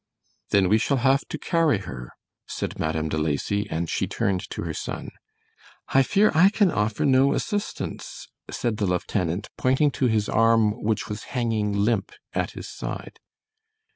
"Then we shall have to carry her," said Madame De Lacy, and she turned to her son. "I fear I can offer no assistance," said the lieutenant, pointing to his arm which was hanging limp at his side.